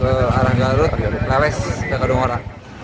ke arah gergaji garut lewes ke kadungora